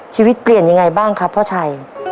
ชีวิตเปลี่ยนยังไงบ้างครับพ่อชัย